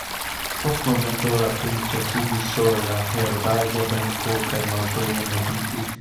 Post momento la princo sidis sur la herbaĵa benko kaj malĝoje meditis.